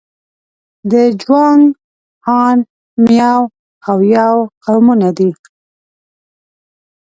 د جوانګ، هان، میاو او یاو قومونه دي.